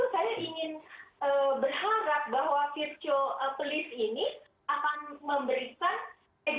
jadi dan kita sebagai warga sifil